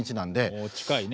おお近いね。